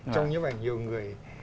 trong những bài hình nhiều người